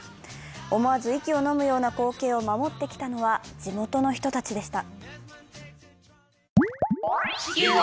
思わず息をのむような光景を守ってきたのは、地元の人たちでした。